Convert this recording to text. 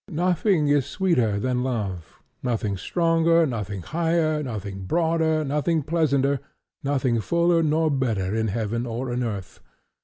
"Nothing is sweeter than love, nothing stronger, nothing higher, nothing broader, nothing pleasanter, nothing fuller nor better in heaven or in earth.